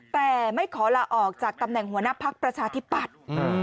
แต่ไม่ขอลาออกจากตำแหน่งหัวหน้าพักประชาธิปัตย์